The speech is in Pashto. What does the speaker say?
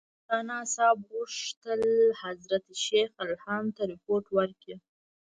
مولناصاحب غوښتل حضرت شیخ الهند ته رپوټ ورکړي.